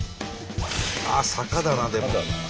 ああ坂だなでも。